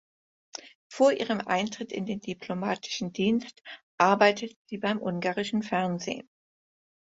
Vor ihrem Eintritt in den diplomatischen Dienst arbeitet sie beim ungarischen Fernsehen.